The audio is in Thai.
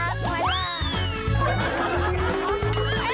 แอมมี่